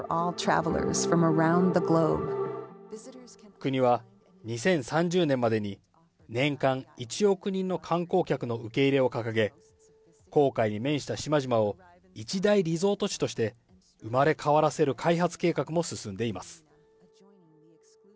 国は２０３０年までに年間１億人の観光客の受け入れを掲げ、紅海に面した島々を一大リゾート地として生まれ変わらせる開発計画も進んでいます。